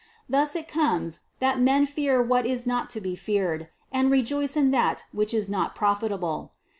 Thus it comes, that men fear what is not to be feared, and rejoice in that which is not profitable.